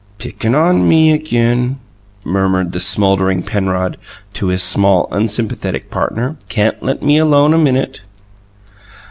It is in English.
"Pickin' on me again!" murmured the smouldering Penrod to his small, unsympathetic partner. "Can't let me alone a minute!"